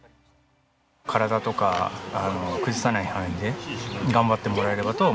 体とか崩さない範囲で頑張ってもらえればとは思ってますね。